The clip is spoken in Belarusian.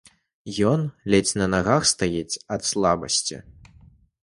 Ён ледзь на нагах стаіць ад слабасці.